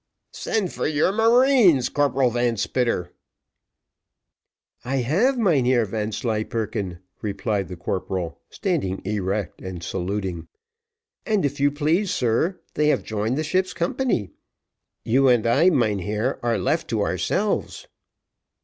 "Send for your marines, Corporal Van Spitter." "I have, Mynheer Vanslyperken," replied the corporal, standing erect and saluting; "and if you please, sir, they have joined the ship's company. You and I, mynheer, are left to ourselves."